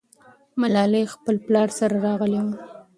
ملالۍ خپل پلار سره راغلې وه.